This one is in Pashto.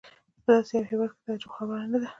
په داسې یو هېواد کې د تعجب خبره نه ده.